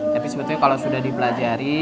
tapi sebetulnya kalau sudah dipelajari